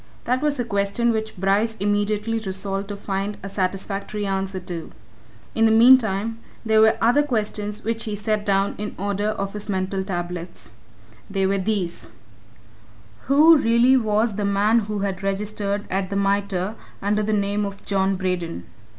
That was a question which Bryce immediately resolved to find a satisfactory answer to; in the meantime there were other questions which he set down in order on his mental tablets. They were these: 1. Who, really, was the man who had registered at the Mitre under the name of John Braden?